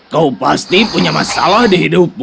kau pasti punya masalah di hidupmu